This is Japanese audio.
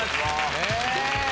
え！